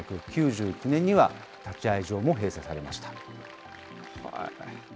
１９９９年には、立会場も閉鎖されました。